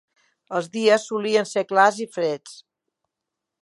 Els dies solien ser clars i freds;